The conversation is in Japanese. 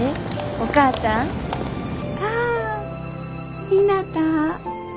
お母ちゃん？ああひなた。